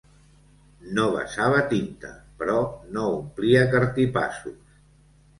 No vessava tinta, però no omplia cartipàsos